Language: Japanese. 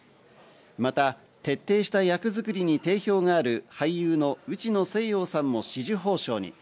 また、徹底した役作りに定評がある俳優の内野聖陽さんも紫綬褒章に。